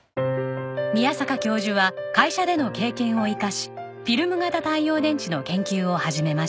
宮坂教授は会社での経験を生かしフィルム型太陽電池の研究を始めました。